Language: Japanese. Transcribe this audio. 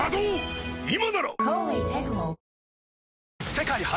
世界初！